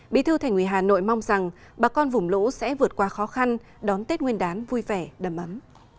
bí thư thành ủy hà nội mong rằng bà con vùng lũ sẽ vượt qua khó khăn đón tết nguyên đán vui vẻ đầm ấm